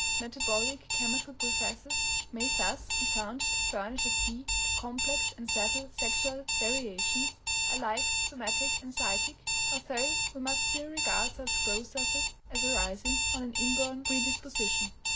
Metabolic chemical processes may thus be found to furnish a key to complex and subtle sexual variations, alike somatic and psychic, although we must still regard such processes as arising on an inborn predisposition.